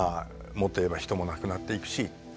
もっと言えば人も亡くなっていくし。